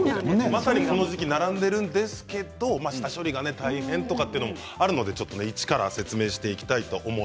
まさにこの時期並んでるんですけど下処理が大変とかっていうのもあるのでちょっとねいちから説明していきたいと思います。